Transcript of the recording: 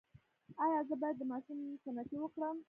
ایا زه باید د ماشوم سنتي وکړم؟